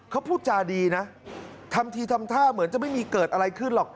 เขาพูดจาดีนะทำทีทำท่าเหมือนจะไม่มีเกิดอะไรขึ้นหรอก